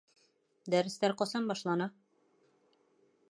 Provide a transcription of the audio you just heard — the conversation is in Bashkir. Дәрестәр ҡасан башлана?